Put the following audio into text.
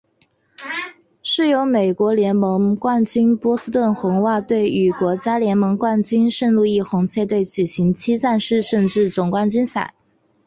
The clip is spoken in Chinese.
是由美国联盟冠军波士顿红袜队与国家联盟冠军圣路易红雀队举行七战四胜制总冠军赛。